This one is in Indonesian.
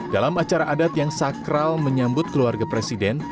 dalam acara adat yang sakral menyambut keluarga presiden